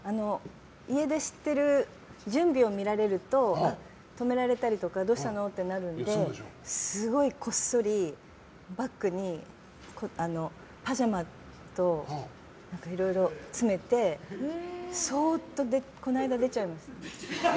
家出してる準備を見られると止められたりとかどうしたのってなるのですごいこっそりバッグにパジャマといろいろ詰めてそーっとこの間、出ちゃいました。